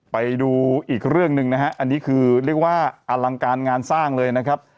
ไปดูอีกเรื่องหนึ่งนะฮะอันนี้คือเรียกว่าอลังการงานสร้างเลยนะครับ